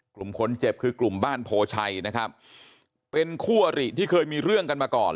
กลุ่มคนเจ็บคือกลุ่มบ้านโพชัยนะครับเป็นคู่อริที่เคยมีเรื่องกันมาก่อน